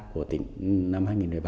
của tỉnh năm hai nghìn một mươi bảy